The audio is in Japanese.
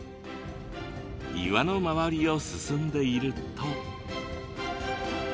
岩の周りを進んでいると。